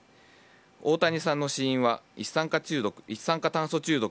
大谷さんの死因は一酸化中毒。